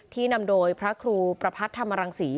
นำโดยพระครูประพัทธธรรมรังศรี